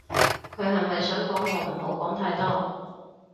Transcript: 佢係咪想講我唔好講太多